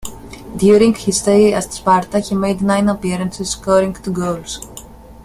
During his stay at Sparta he made nine appearances, scoring two goals.